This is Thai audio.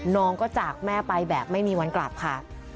น้องก็จากแม่ไปแบบไม่มีวันกลับค่ะ